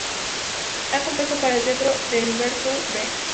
Ha compuesto para el teatro de Bertolt Brecht.